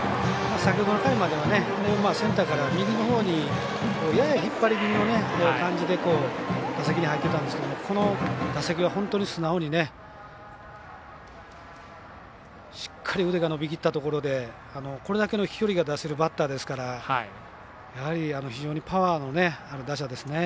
先ほどの回まではセンターから右のほうにやや引っ張り気味の感じで打席に入ってたんですけどこの打席は本当に素直にしっかり腕が伸びきったところでこれだけの飛距離が出せるバッターですから非常にパワーのある打者ですね。